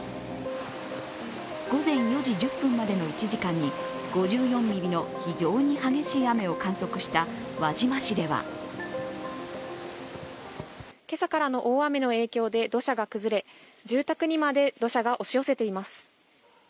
午前４時１０分までの１時間に５４ミリの非常に激しい雨を観測した輪島市では今朝からの大雨の影響で土砂が崩れ住宅にまで土砂が押し寄せています。